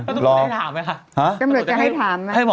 ก็ต้องไปให้ถามไหมค่ะ